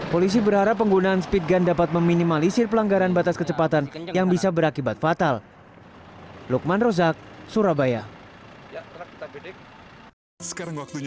polisi berharap penggunaan speed gun dapat menangkap alat speed gun